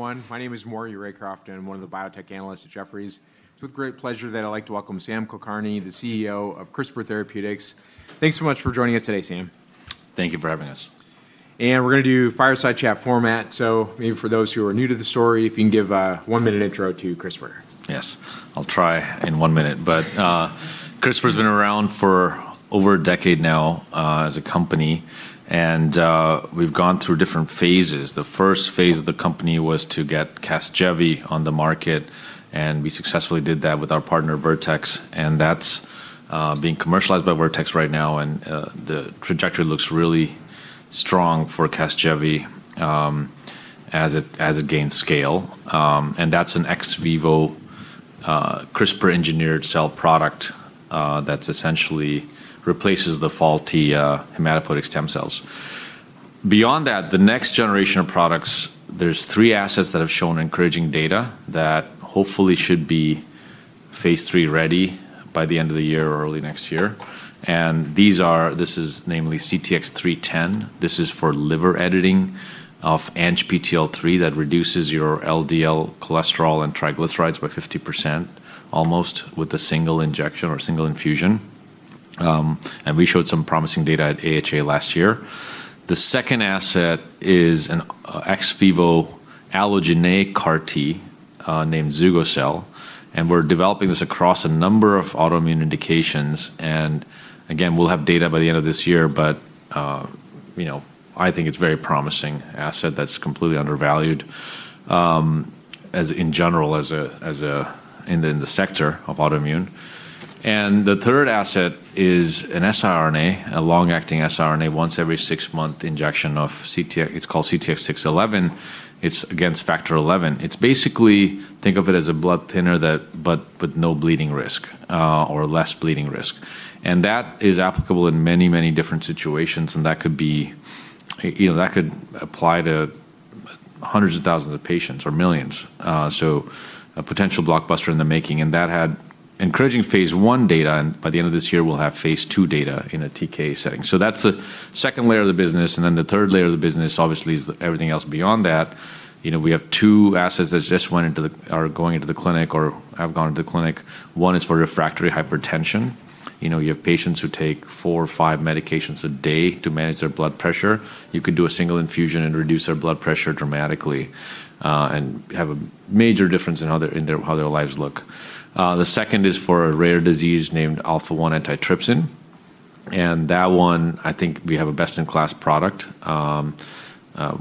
One, my name is Maury Raycroft, and I'm one of the Biotech Analyst at Jefferies. It's with great pleasure that I'd like to welcome Sam Kulkarni, the CEO of CRISPR Therapeutics. Thanks so much for joining us today, Sam. Thank you for having us. We're going to do fireside chat format, so maybe for those who are new to the story, if you can give a one-minute intro to CRISPR? Yes. I'll try in one minute. CRISPR's been around for over a decade now as a company, and we've gone through different phases. The phase I of the company was to get CASGEVY on the market, and we successfully did that with our partner, Vertex. That's being commercialized by Vertex right now, and the trajectory looks really strong for CASGEVY as it gains scale. That's an ex vivo CRISPR-engineered cell product that essentially replaces the faulty hematopoietic stem cells. Beyond that, the next generation of products, there's three assets that have shown encouraging data that hopefully should be phase III-ready by the end of the year or early next year. This is namely CTX310. This is for liver editing of ANGPTL3 that reduces your LDL cholesterol and triglycerides by 50% almost with a single injection or single infusion. We showed some promising data at AHA last year. The second asset is an ex vivo allogeneic CAR T named zugo-cel, and we're developing this across a number of autoimmune indications. Again, we'll have data by the end of this year, but I think it's a very promising asset that's completely undervalued in general in the sector of autoimmune. The third asset is an siRNA, a long-acting siRNA, once every six-month injection of, it's called CTX611. It's against Factor XI. It's basically, think of it as a blood thinner, but with no bleeding risk, or less bleeding risk. That is applicable in many, many different situations, and that could apply to hundreds of thousands of patients or millions. A potential blockbuster in the making, and that had encouraging phase I data and by the end of this year, we'll have phase II data in a TKA setting. That's the second layer of the business. The third layer of the business, obviously, is everything else beyond that. We have two assets that are going into the clinic or have gone into the clinic. One is for refractory hypertension. You have patients who take four or five medications a day to manage their blood pressure. You could do a single infusion and reduce their blood pressure dramatically, and have a major difference in how their lives look. The second is for a rare disease named Alpha-1 Antitrypsin. That one, I think we have a best-in-class product,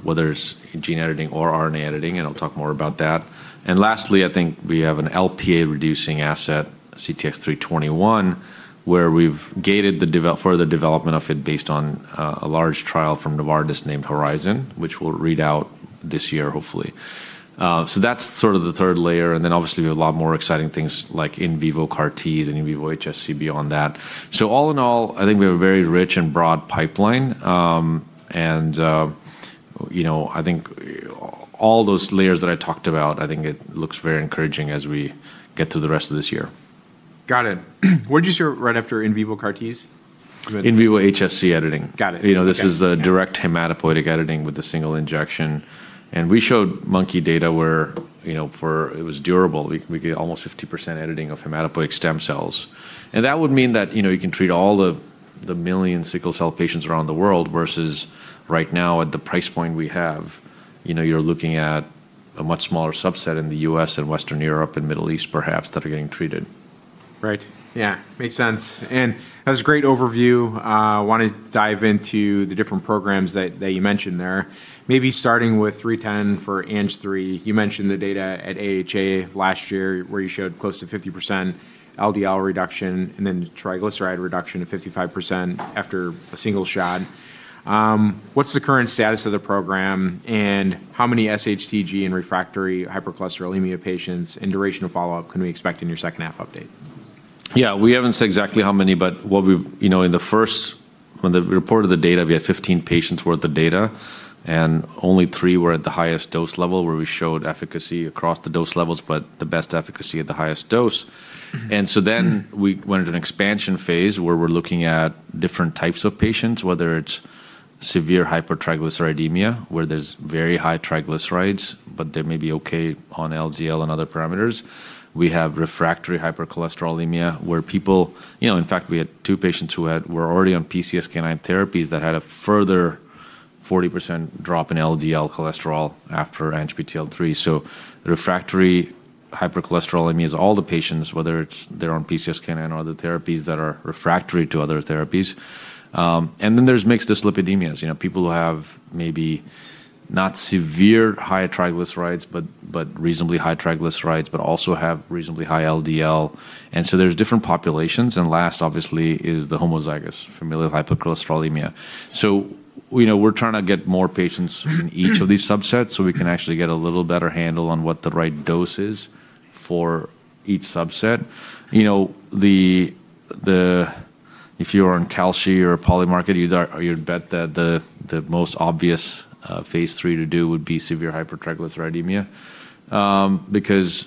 whether it's gene editing or RNA editing, and I'll talk more about that. Lastly, I think we have an Lp(a)-reducing asset, CTX321, where we've gated the further development of it based on a large trial from Novartis named Lp(a)HORIZON, which we'll read out this year, hopefully. That's sort of the third layer, then obviously, we have a lot more exciting things like in vivo CAR Ts and in vivo HSC beyond that. All in all, I think we have a very rich and broad pipeline. I think all those layers that I talked about, I think it looks very encouraging as we get through the rest of this year. Got it. What'd you say right after in vivo CAR Ts? In vivo HSC editing. Got it. Okay. This is a direct hematopoietic editing with a single injection. We showed monkey data where it was durable. We could get almost 50% editing of hematopoietic stem cells. That would mean that you can treat all the million sickle cell patients around the world versus right now at the price point we have, you're looking at a much smaller subset in the U.S. and Western Europe and Middle East perhaps that are getting treated. Right. Yeah. Makes sense. That was a great overview. I want to dive into the different programs that you mentioned there, maybe starting with CTX310 for ANGPTL3. You mentioned the data at AHA last year where you showed close to 50% LDL reduction and then triglyceride reduction of 55% after a single shot. What's the current status of the program and how many sHTG and refractory hypercholesterolemia patients and duration of follow-up can we expect in your second-half update? Yeah. We haven't said exactly how many, but when the report of the data, we had 15 patients worth of data, and only three were at the highest dose level where we showed efficacy across the dose levels, but the best efficacy at the highest dose. We went into an expansion phase where we're looking at different types of patients, whether it's severe hypertriglyceridemia, where there's very high triglycerides, but they may be okay on LDL and other parameters. We have refractory hypercholesterolemia where in fact, we had two patients who were already on PCSK9 therapies that had a further 40% drop in LDL cholesterol after ANGPTL3. Refractory hypercholesterolemia is all the patients, whether it's they're on PCSK9 or other therapies that are refractory to other therapies. There's mixed dyslipidemias, people who have maybe not severe high triglycerides but reasonably high triglycerides but also have reasonably high LDL. There's different populations, and last obviously is the homozygous familial hypercholesterolemia. We're trying to get more patients in each of these subsets so we can actually get a little better handle on what the right dose is for each subset. If you are in Kalshi or Polymarket, you'd bet that the most obvious phase III to do would be severe hypertriglyceridemia because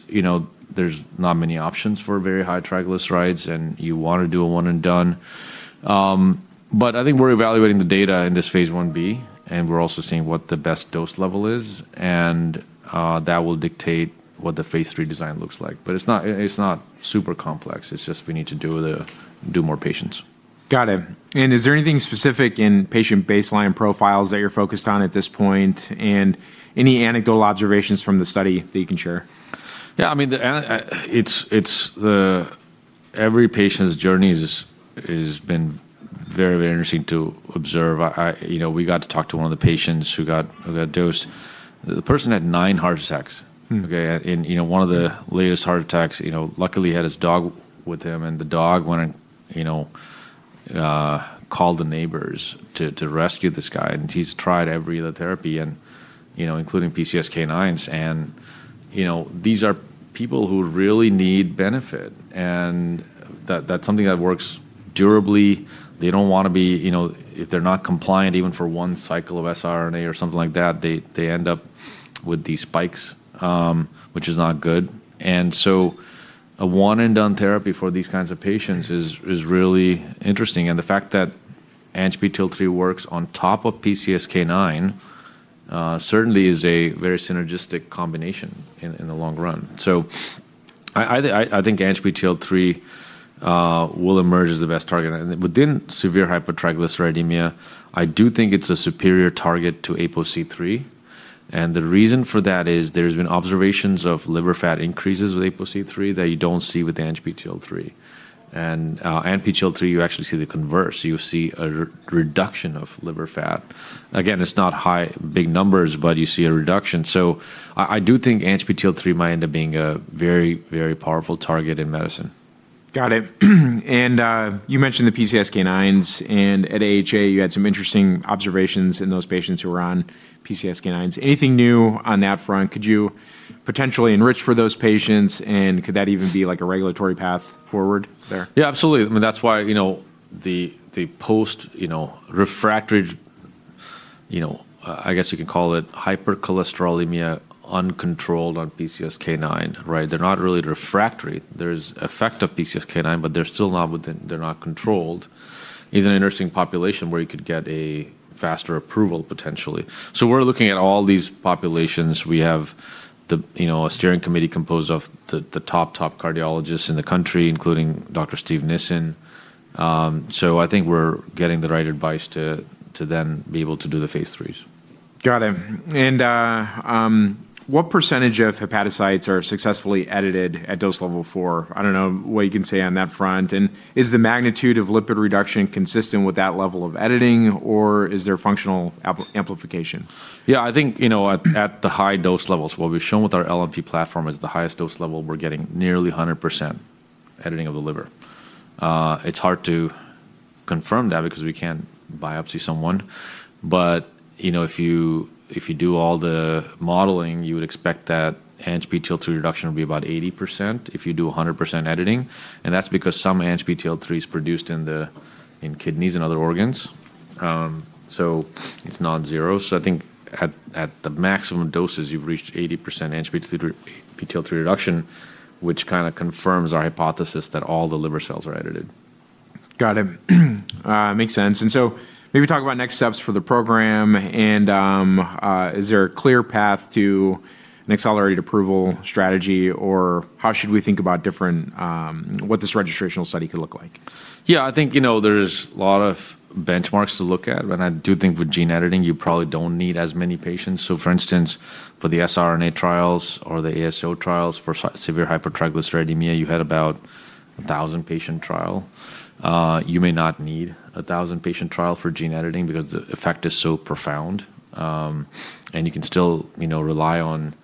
there's not many options for very high triglycerides, and you want to do a one and done. I think we're evaluating the data in this phase I-B, and we're also seeing what the best dose level is, and that will dictate what the phase III design looks like. It's not super complex. It's just we need to do more patients. Got it. Is there anything specific in patient baseline profiles that you're focused on at this point, and any anecdotal observations from the study that you can share? Yeah. Every patient's journey has been very interesting to observe. We got to talk to one of the patients who got dosed. The person had nine heart attacks. Okay. In one of the latest heart attacks, luckily, he had his dog with him, and the dog went and called the neighbors to rescue this guy. He's tried every other therapy, including PCSK9s, and these are people who really need benefit, and that's something that works durably. If they're not compliant, even for one cycle of siRNA or something like that, they end up with these spikes, which is not good. A one-and-done therapy for these kinds of patients is really interesting, and the fact that ANGPTL3 works on top of PCSK9 certainly is a very synergistic combination in the long run. I think ANGPTL3 will emerge as the best target. Within severe hypertriglyceridemia, I do think it's a superior target to APOC3, and the reason for that is there's been observations of liver fat increases with APOC3 that you don't see with ANGPTL3. ANGPTL3, you actually see the converse. You see a reduction of liver fat. Again, it's not big numbers, but you see a reduction. I do think ANGPTL3 might end up being a very, very powerful target in medicine. Got it. You mentioned the PCSK9s, and at AHA, you had some interesting observations in those patients who were on PCSK9s. Anything new on that front? Could you potentially enrich for those patients, and could that even be a regulatory path forward there? Yeah, absolutely. That's why the post-refractory, I guess you can call it hypercholesterolemia uncontrolled on PCSK9. They're not really refractory. There's effect of PCSK9, but they're not controlled, is an interesting population where you could get a faster approval, potentially. We're looking at all these populations. We have a steering committee composed of the top cardiologists in the country, including Dr. Steven Nissen. I think we're getting the right advice to then be able to do the phase IIIs. Got it. What percentage of hepatocytes are successfully edited at dose level four? I don't know what you can say on that front. Is the magnitude of lipid reduction consistent with that level of editing, or is there functional amplification? I think, at the high dose levels, what we've shown with our LNP platform is the highest dose level we're getting nearly 100% editing of the liver. It's hard to confirm that because we can't biopsy someone. If you do all the modeling, you would expect that ANGPTL3 reduction would be about 80% if you do 100% editing, and that's because some ANGPTL3 is produced in kidneys and other organs. It's non-zero. I think at the maximum doses, you've reached 80% ANGPTL3 reduction, which kind of confirms our hypothesis that all the liver cells are edited. Got it. Makes sense. Maybe talk about next steps for the program, and is there a clear path to an accelerated approval strategy, or how should we think about what this registrational study could look like? Yeah, I think there's a lot of benchmarks to look at, but I do think with gene editing, you probably don't need as many patients. For instance, for the siRNA trials or the ASO trials for severe hypertriglyceridemia, you had about 1,000-patient trial. You may not need 1,000-patient trial for gene editing because the effect is so profound. You can still rely on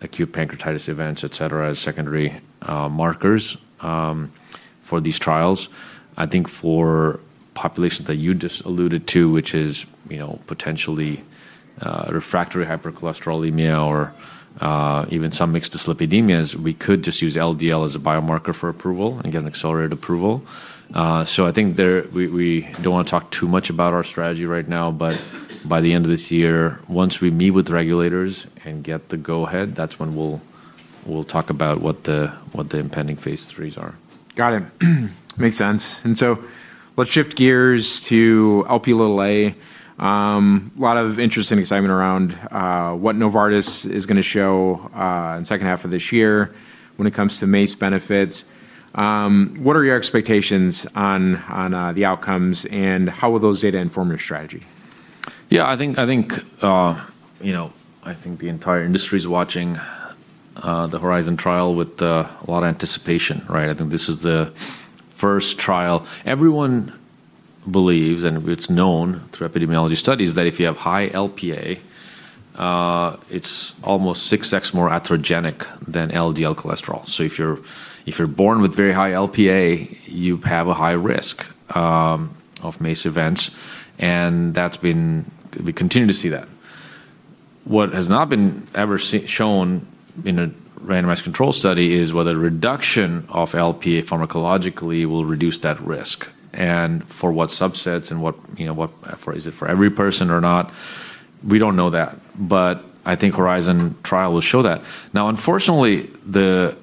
acute pancreatitis events, et cetera, as secondary markers for these trials. I think for populations that you just alluded to, which is potentially refractory hypercholesterolemia or even some mixed dyslipidemias, we could just use LDL as a biomarker for approval and get an accelerated approval. I think we don't want to talk too much about our strategy right now, but by the end of this year, once we meet with regulators and get the go-ahead, that's when we'll talk about what the impending phase IIIs are. Got it. Makes sense. Let's shift gears to Lp(a). A lot of interest and excitement around what Novartis is going to show in the second half of this year when it comes to MACE benefits. What are your expectations on the outcomes, and how will those data inform your strategy? Yeah, I think the entire industry's watching the HORIZON trial with a lot of anticipation. I think this is the first trial. Everyone believes, and it's known through epidemiology studies, that if you have high Lp(a), it's almost 6x more atherogenic than LDL cholesterol. If you're born with very high Lp(a), you have a high risk of MACE events, and we continue to see that. What has not been ever shown in a randomized control study is whether the reduction of Lp(a) pharmacologically will reduce that risk. For what subsets and is it for every person or not? We don't know that, but I think HORIZON trial will show that. Unfortunately, the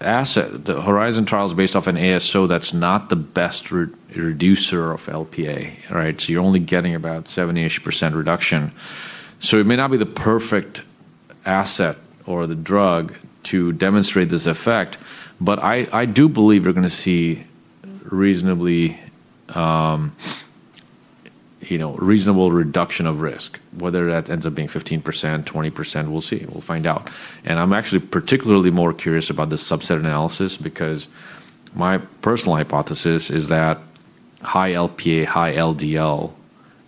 asset, the HORIZON trial is based off an ASO that's not the best reducer of Lp(a), right? You're only getting about 70%-ish reduction. It may not be the perfect asset or the drug to demonstrate this effect, but I do believe we're going to see reasonable reduction of risk, whether that ends up being 15%, 20%, we'll see. We'll find out. I'm actually particularly more curious about the subset analysis because my personal hypothesis is that high Lp(a), high LDL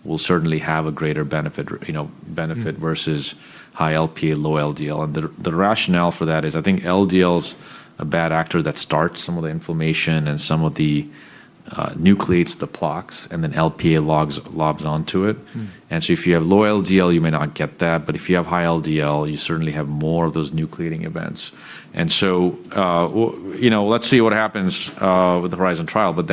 will certainly have a greater benefit versus high Lp(a), low LDL. The rationale for that is I think LDL's a bad actor that starts some of the inflammation and nucleates the plaques, and then Lp(a) logs onto it. If you have low LDL, you may not get that, but if you have high LDL, you certainly have more of those nucleating events. Let's see what happens with the HORIZON trial, but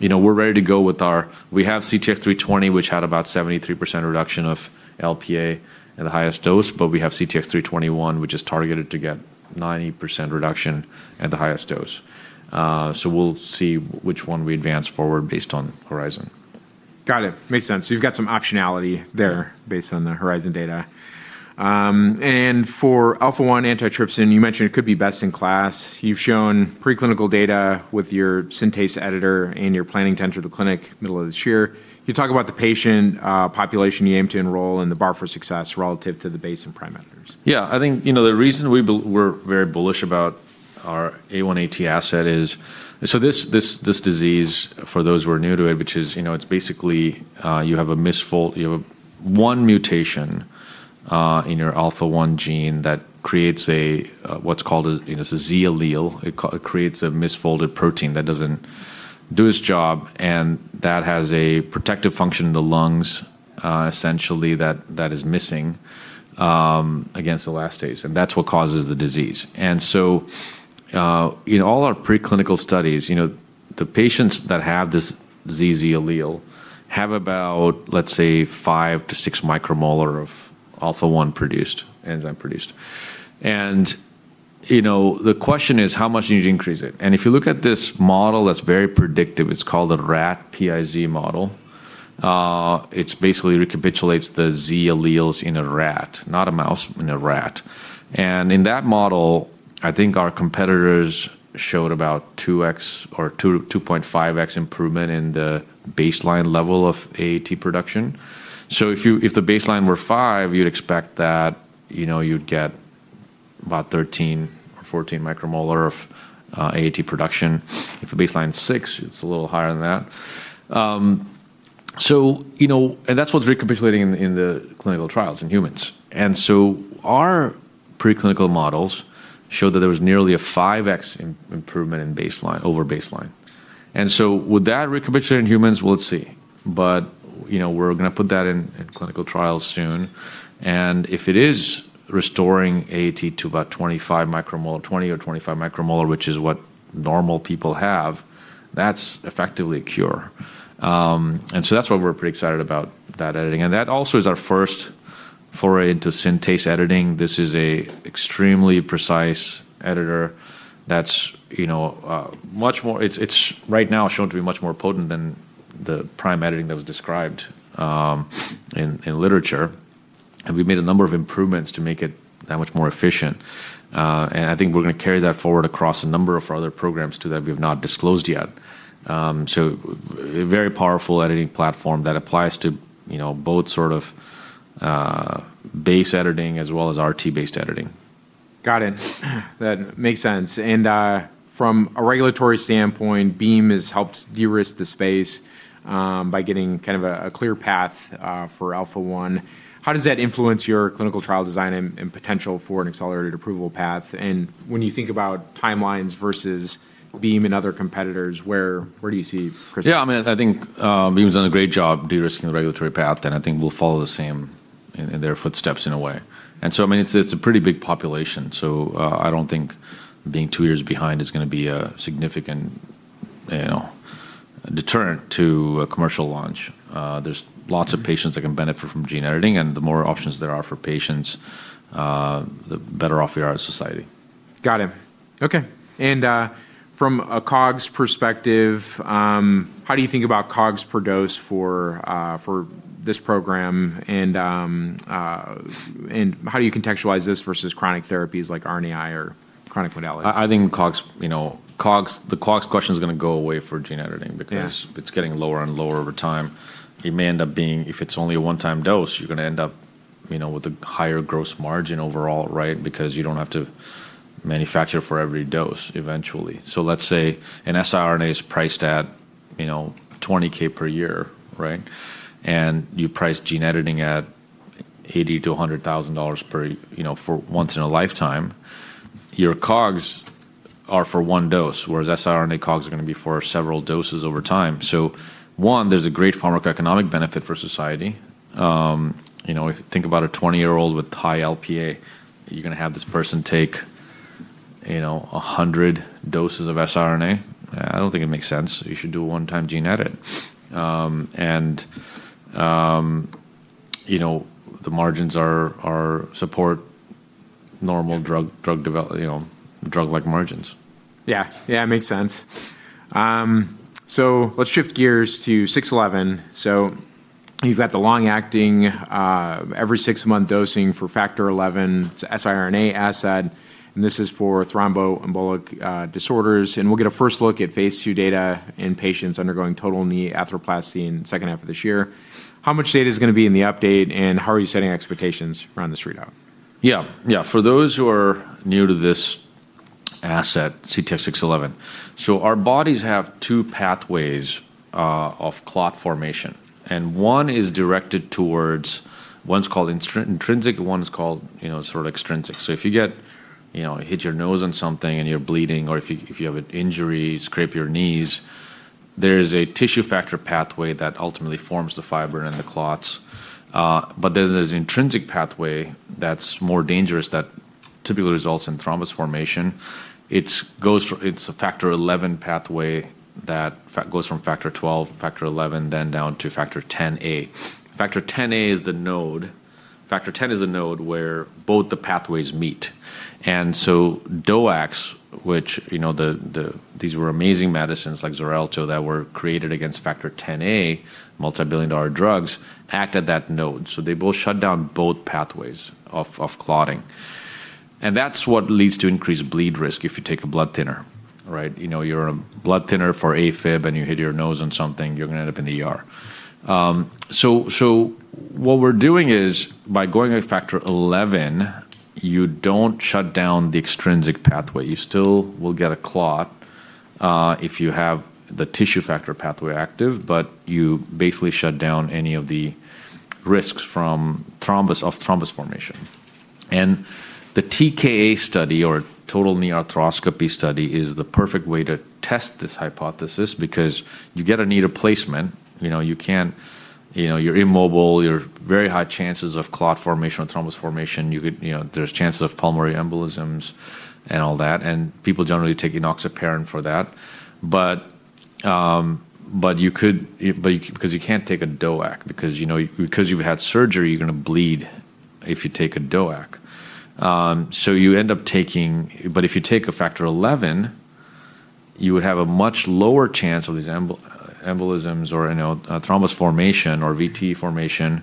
we're ready to go with our-- We have CTX320, which had about 73% reduction of Lp(a) at the highest dose, but we have CTX321, which is targeted to get 90% reduction at the highest dose. We'll see which one we advance forward based on HORIZON. Got it. Makes sense. You've got some optionality there based on the HORIZON data. For Alpha-1 Antitrypsin, you mentioned it could be best in class. You've shown preclinical data with your SyNTase editor, and you're planning to enter the clinic middle of this year. Can you talk about the patient population you aim to enroll and the bar for success relative to the base and prime editors? Yeah. I think, the reason we're very bullish about our A1AT asset is. This disease, for those who are new to it, which is basically you have one mutation in your alpha-1 gene that creates what's called a Z allele. It creates a misfolded protein that doesn't do its job, and that has a protective function in the lungs, essentially, that is missing against elastase, and that's what causes the disease. In all our preclinical studies, the patients that have this Z allele have about, let's say, five to six micromolar of alpha-1 enzyme produced. The question is, how much do you need to increase it? If you look at this model that's very predictive, it's called a rat PiZ model. It basically recapitulates the Z alleles in a rat, not a mouse, in a rat. In that model, I think our competitors showed about 2.5x improvement in the baseline level of AAT production. If the baseline were five, you'd expect that you'd get about 13 or 14 micromolar of AAT production. If a baseline's six, it's a little higher than that. That's what's recapitulating in the clinical trials in humans. Our preclinical models show that there was nearly a 5x improvement over baseline. Would that recapitulate in humans? Well, let's see. We're going to put that in clinical trials soon. If it is restoring AAT to about 20 or 25 micromolar, which is what normal people have, that's effectively a cure. That's why we're pretty excited about that editing. That also is our first foray into SyNTase editing. This is an extremely precise editor that's, right now, shown to be much more potent than the prime editing that was described in literature. We've made a number of improvements to make it that much more efficient. I think we're going to carry that forward across a number of our other programs, too, that we have not disclosed yet. A very powerful editing platform that applies to both base editing as well as RT-based editing. Got it. That makes sense. From a regulatory standpoint, Beam has helped de-risk the space by getting a clear path for alpha-1. How does that influence your clinical trial design and potential for an accelerated approval path? When you think about timelines versus Beam and other competitors, where do you see CRISPR? I think Beam's done a great job de-risking the regulatory path, and I think we'll follow in their footsteps in a way. It's a pretty big population, so I don't think being two years behind is going to be a significant deterrent to a commercial launch. There's lots of patients that can benefit from gene editing, the more options there are for patients, the better off we are as a society. Got it. Okay. From a COGS perspective, how do you think about COGS per dose for this program, and how do you contextualize this versus chronic therapies like RNAi or chronic modality? I think the COGS question's going to go away for gene editing. Yeah It's getting lower and lower over time. It may end up being, if it's only a one-time dose, you're going to end up with a higher gross margin overall, because you don't have to manufacture for every dose eventually. Let's say an siRNA is priced at $20,000 per year, and you price gene editing at $80,000-$100,000 for once in a lifetime, your COGS are for one dose, whereas siRNA COGS are going to be for several doses over time. One, there's a great pharmacoeconomic benefit for society. If you think about a 20-year-old with high Lp(a), you're going to have this person take 100 doses of siRNA. I don't think it makes sense. You should do a one-time gene edit. The margins support normal drug-like margins. Yeah. It makes sense. Let's shift gears to CTX611. You've got the long-acting, every six-month dosing for Factor XI siRNA asset, and this is for thromboembolic disorders. We'll get a first look at phase II data in patients undergoing total knee arthroplasty in the second half of this year. How much data is going to be in the update, and how are you setting expectations around this readout? For those who are new to this asset, CTX611, our bodies have two pathways of clot formation. One's called intrinsic, and one is called extrinsic. If you hit your nose on something and you're bleeding, or if you have an injury, scrape your knees, there is a tissue factor pathway that ultimately forms the fiber and the clots. There's the intrinsic pathway that's more dangerous that typically results in thrombus formation. It's a Factor XI pathway that goes from Factor XII, Factor XI, then down to Factor Xa. Factor Xa is the node. Factor X is the node where both the pathways meet. DOACs, which these were amazing medicines like Xarelto that were created against Factor Xa, multibillion-dollar drugs, act at that node. They both shut down both pathways of clotting. That's what leads to increased bleed risk if you take a blood thinner. You're on a blood thinner for AFib and you hit your nose on something, you're going to end up in the ER. What we're doing is by going with Factor XI, you don't shut down the extrinsic pathway. You still will get a clot if you have the tissue factor pathway active, but you basically shut down any of the risks of thrombus formation. The TKA study or total knee arthroplasty study is the perfect way to test this hypothesis because you get a knee replacement. You're immobile, you have very high chances of clot formation or thrombus formation. There's chances of pulmonary embolism and all that, and people generally take enoxaparin for that. Because you can't take a DOAC, because you've had surgery, you're going to bleed if you take a DOAC. If you take a Factor XI, you would have a much lower chance of these embolisms or thrombus formation or VTE formation,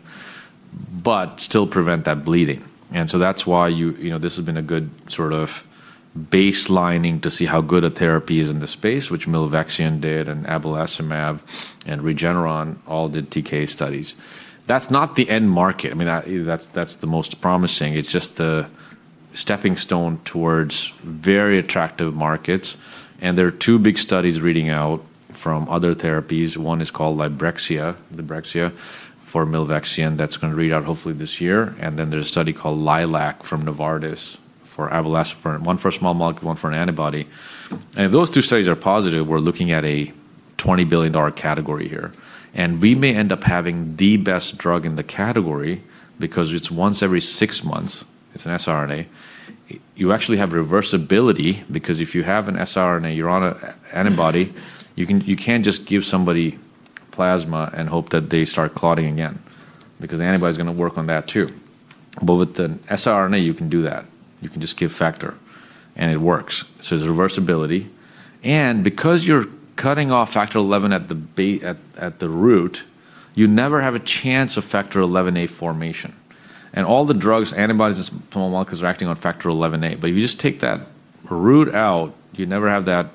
but still prevent that bleeding. That's why this has been a good baselining to see how good a therapy is in the space, which milvexian did, and abelacimab and Regeneron all did TKA studies. That's not the end market. That's the most promising. It's just the stepping stone towards very attractive markets, and there are two big studies reading out from other therapies. One is called Librexia for milvexian. That's going to read out hopefully this year. There's a study called LILAC from Novartis for abelacimab. One for a small molecule, one for an antibody. If those two studies are positive, we're looking at a $20 billion category here. We may end up having the best drug in the category because it's once every six months, it's an siRNA. You actually have reversibility because if you have an siRNA, you're on an antibody, you can't just give somebody plasma and hope that they start clotting again because the antibody is going to work on that too. With the siRNA, you can do that. You can just give factor and it works. There's reversibility, and because you're cutting off Factor XI at the root, you never have a chance of Factor XIa formation. All the drugs, antibodies, and small molecules are acting on Factor XIa. If you just take that root out, you never have that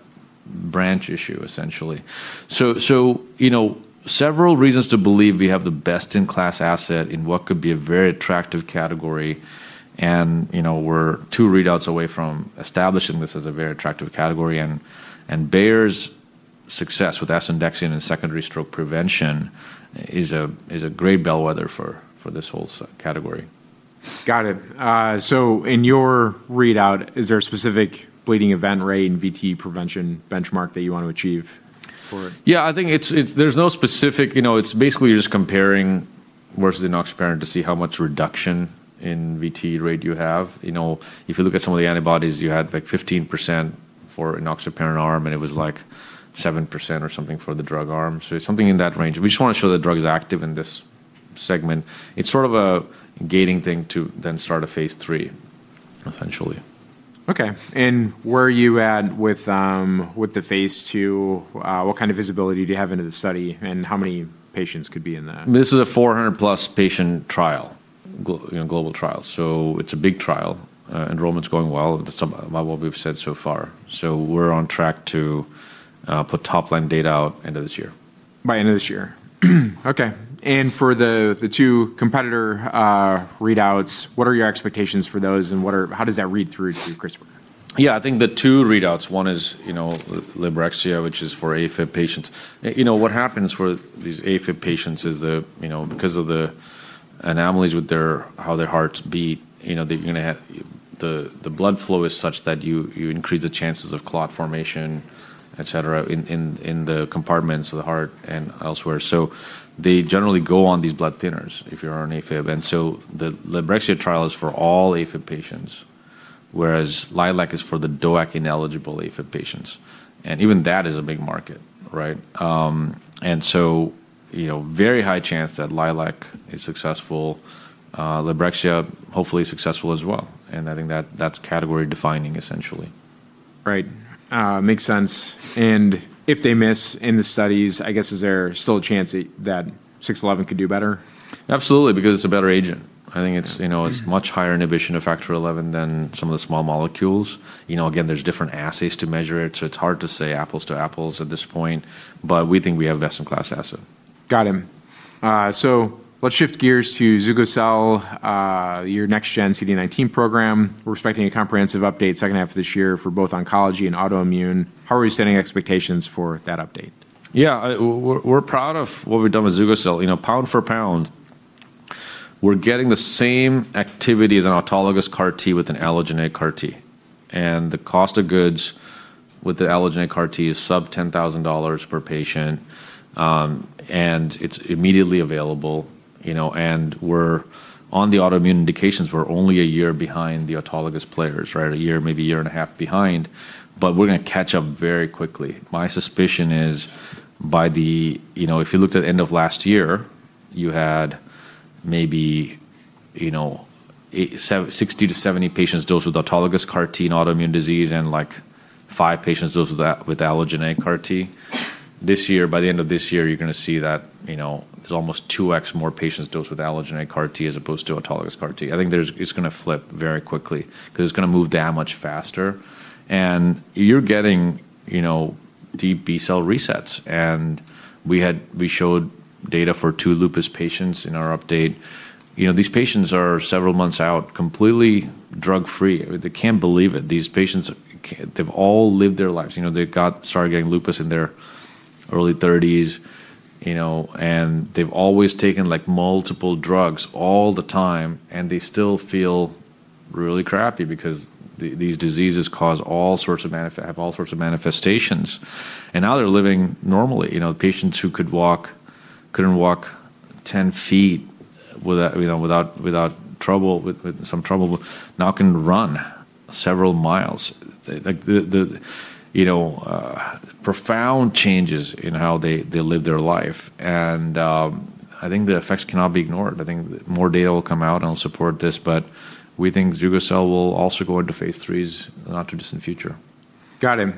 branch issue, essentially. Several reasons to believe we have the best-in-class asset in what could be a very attractive category, and we're two readouts away from establishing this as a very attractive category. Bayer's success with asundexian and secondary stroke prevention is a great bellwether for this whole category. Got it. In your readout, is there a specific bleeding event rate and VTE prevention benchmark that you want to achieve for it? I think there's no specific. You're just comparing versus enoxaparin to see how much reduction in VTE rate you have. If you look at some of the antibodies, you had 15% for enoxaparin arm, and it was 7% or something for the drug arm. Something in that range. We just want to show the drug is active in this segment. It's sort of a gating thing to then start a phase III, essentially. Okay. Where are you at with the phase II? What kind of visibility do you have into the study, and how many patients could be in that? This is a 400+ patient trial, global trial. It's a big trial. Enrollment's going well by what we've said so far. We're on track to put top-line data out end of this year. By end of this year. Okay. For the two competitor readouts, what are your expectations for those, and how does that read through to CRISPR? Yeah, I think the two readouts, one is Librexia, which is for AFib patients. What happens for these AFib patients is because of the anomalies with how their hearts beat, the blood flow is such that you increase the chances of clot formation, et cetera, in the compartments of the heart and elsewhere. They generally go on these blood thinners if you're on AFib. The Librexia trial is for all AFib patients, whereas LILAC is for the DOAC-ineligible AFib patients, and even that is a big market, right? Very high chance that LILAC is successful. Librexia, hopefully successful as well, and I think that's category-defining, essentially. Right. Makes sense. If they miss in the studies, I guess, is there still a chance that CTX611 could do better? Absolutely, because it's a better agent. I think it's much higher inhibition of Factor XI than some of the small molecules. There's different assays to measure it, so it's hard to say apples to apples at this point, but we think we have best-in-class asset. Got it. Let's shift gears to zugo-cel, your next-gen CD19 program. We're expecting a comprehensive update second half of this year for both oncology and autoimmune. How are we setting expectations for that update? Yeah. We're proud of what we've done with zugo-cel. Pound for pound, we're getting the same activity as an autologous CAR T with an allogeneic CAR T, and the cost of goods with the allogeneic CAR T is sub-$10,000 per patient. It's immediately available, and on the autoimmune indications, we're only a year behind the autologous players, right? A year, maybe a year and a half behind, but we're going to catch up very quickly. My suspicion is if you looked at the end of last year, you had maybe 60, 70 patients dosed with autologous CAR T and autoimmune disease and, like, five patients dosed with allogeneic CAR T. This year, by the end of this year, you're going to see that there's almost 2x more patients dosed with allogeneic CAR T as opposed to autologous CAR T. I think it's going to flip very quickly because it's going to move that much faster, you're getting deep B-cell resets. We showed data for two lupus patients in our update. These patients are several months out, completely drug-free. They can't believe it. These patients, they've all lived their lives. They started getting lupus in their early 30s, and they've always taken multiple drugs all the time, and they still feel really crappy because these diseases have all sorts of manifestations, and now they're living normally. Patients who couldn't walk 10 ft with some trouble now can run several miles. Profound changes in how they live their life, and I think the effects cannot be ignored. I think more data will come out, and it'll support this, but we think zugo-cel will also go into phase IIIs in the not-too-distant future. Got it.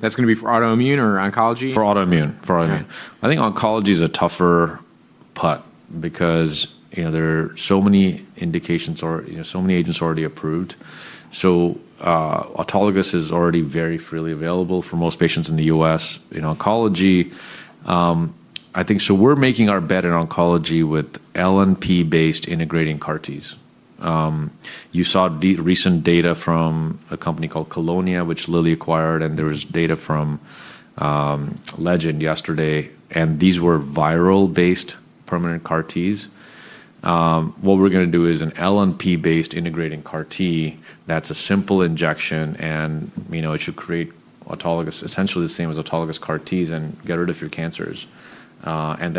That's going to be for autoimmune or oncology? For autoimmune. Yeah. I think oncology's a tougher putt because there are so many indications, so many agents already approved. Autologous is already very freely available for most patients in the U.S. in oncology. We're making our bet in oncology with LNP-based integrating CAR Ts. You saw recent data from a company called Kelonia, which Lilly acquired, and there was data from Legend yesterday, and these were viral-based permanent CAR Ts. What we're going to do is an LNP-based integrating CAR T that's a simple injection, and it should create essentially the same as autologous CAR Ts and get rid of your cancers. In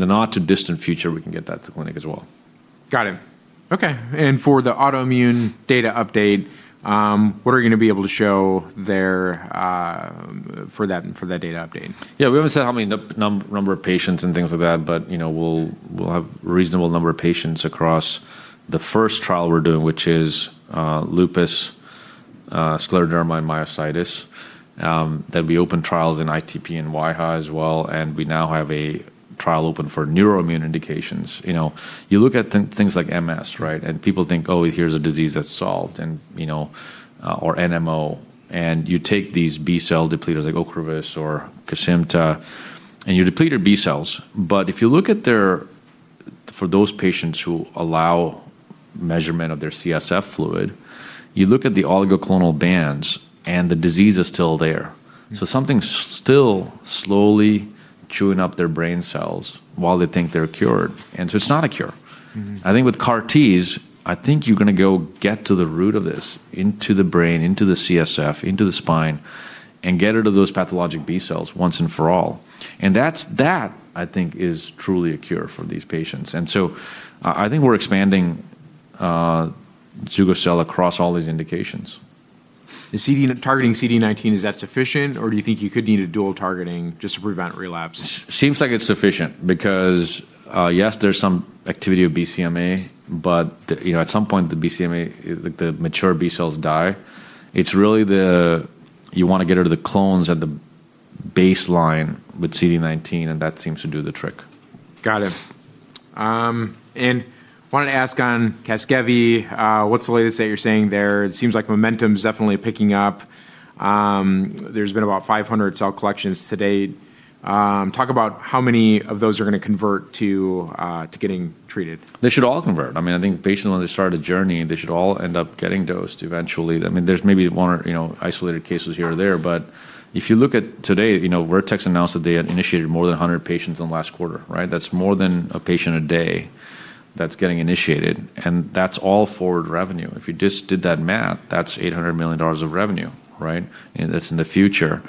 the not-too-distant future, we can get that to clinic as well. Got it. Okay. For the autoimmune data update, what are you going to be able to show there for that data update? We haven't said how many number of patients and things like that, but we'll have a reasonable number of patients across the first trial we're doing, which is lupus, scleroderma, and myositis. There'll be open trials in ITP and wAIHA as well, and we now have a trial open for neuroimmune indications. You look at things like MS, right, and people think, Oh, here's a disease that's solved, or NMO, and you take these B-cell depleters like Ocrevus or Kesimpta, and you deplete your B-cells. For those patients who allow measurement of their CSF fluid, you look at the oligoclonal bands, and the disease is still there. Something's still slowly chewing up their brain cells while they think they're cured. It's not a cure. I think with CAR Ts, I think you're going to go get to the root of this, into the brain, into the CSF, into the spine, and get rid of those pathologic B-cells once and for all. That, I think, is truly a cure for these patients. I think we're expanding zugo-cel across all these indications. Targeting CD19, is that sufficient, or do you think you could need a dual targeting just to prevent relapse? Seems like it's sufficient because, yes, there's some activity with BCMA, but at some point, the mature B-cells die. You want to get rid of the clones at the baseline with CD19, and that seems to do the trick. Got it. Wanted to ask on CASGEVY, what's the latest that you're seeing there? It seems like momentum's definitely picking up. There's been about 500 cell collections to date. Talk about how many of those are going to convert to getting treated. They should all convert. I think patients, when they start a journey, they should all end up getting dosed eventually. There's maybe one or isolated cases here or there, but if you look at today, Vertex announced that they had initiated more than 100 patients in the last quarter, right? That's more than a patient a day that's getting initiated, and that's all forward revenue. If you just did that math, that's $800 million of revenue, right? That's in the future.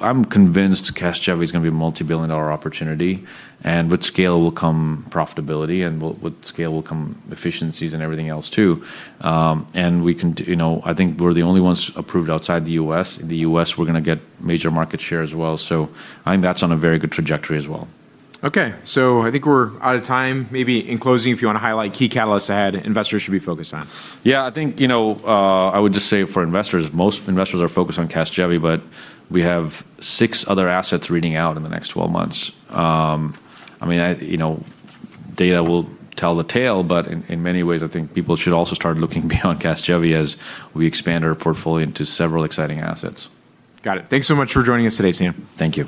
I'm convinced CASGEVY's going to be a multi-billion-dollar opportunity, and with scale will come profitability, and with scale will come efficiencies and everything else, too. I think we're the only ones approved outside the U.S. In the U.S., we're going to get major market share as well. I think that's on a very good trajectory as well. Okay. I think we're out of time. Maybe in closing, if you want to highlight key catalysts ahead investors should be focused on. Yeah. I think I would just say for investors, most investors are focused on CASGEVY, but we have six other assets reading out in the next 12 months. Data will tell the tale, but in many ways, I think people should also start looking beyond CASGEVY as we expand our portfolio into several exciting assets. Got it. Thanks so much for joining us today, Sam. Thank you.